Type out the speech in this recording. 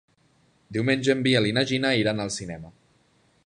Diumenge en Biel i na Gina iran al cinema.